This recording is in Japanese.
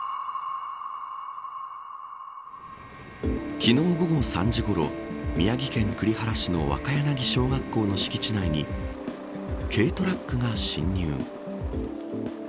昨日午後３時ごろ宮城県栗原市の若柳小学校の敷地内に軽トラックが侵入。